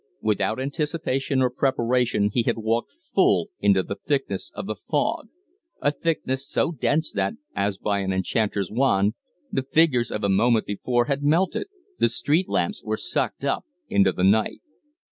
Without anticipation or preparation he had walked full into the thickness of the fog a thickness so dense that, as by an enchanter's wand, the figures of a moment before melted, the street lamps were sucked up into the night.